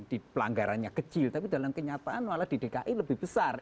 di pelanggarannya kecil tapi dalam kenyataan malah di dki lebih besar